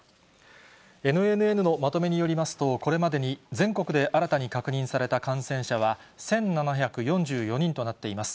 ＮＮＮのまとめによりますと、これまでに全国で新たに確認された感染者は１７４４人となっています。